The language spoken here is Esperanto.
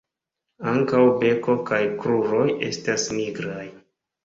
Ankaŭ beko kaj kruroj estas nigraj.